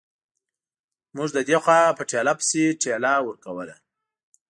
موږ له دې خوا په ټېله پسې ټېله ورکوله.